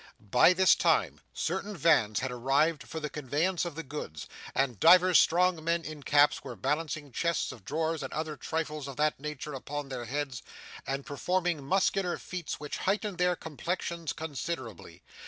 By this time, certain vans had arrived for the conveyance of the goods, and divers strong men in caps were balancing chests of drawers and other trifles of that nature upon their heads, and performing muscular feats which heightened their complexions considerably.